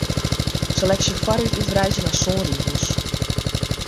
Seleksje foarút útwreidzje mei sân rigels.